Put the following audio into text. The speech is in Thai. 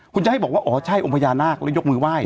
คุณจะให้บอกว่าอ๋อใช่องค์พญานาคแล้วยกมือไห้